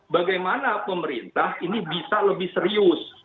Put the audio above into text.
bagaimana pemerintah ini bisa lebih serius